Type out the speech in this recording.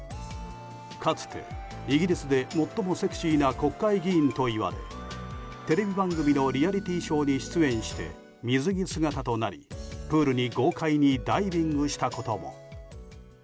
かつて、イギリスで最もセクシーな国会議員といわれテレビ番組のリアリティーショーに出演して水着姿となり、プールに豪快にダイビングしたことも。